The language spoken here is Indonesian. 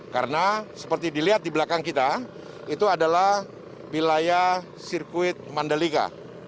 karena seperti dilihat di belakang kita itu adalah wilayah sirkuit mandalika